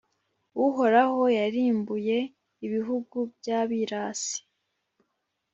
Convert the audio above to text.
Uhoraho yarimbuye ibihugu by’abirasi,